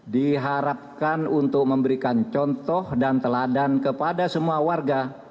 diharapkan untuk memberikan contoh dan teladan kepada semua warga